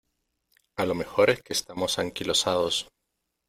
a lo mejor es que estamos anquilosados .